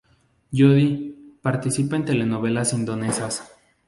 Jody participa en telenovelas indonesias.